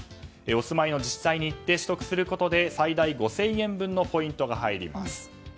お住まいの自治体に行って取得することで最大５０００円分のポイントが入ります。